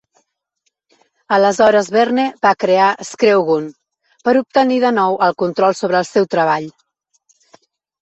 Aleshores Berne va crear Screwgun per obtenir de nou el control sobre el seu treball.